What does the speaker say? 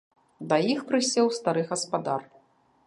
Да іх прысеў стары гаспадар.